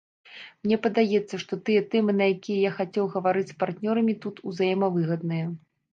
Мне падаецца, што тыя тэмы, на якія я хацеў гаварыць з партнёрамі тут, узаемавыгадныя.